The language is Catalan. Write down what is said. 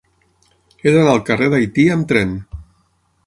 He d'anar al carrer d'Haití amb tren.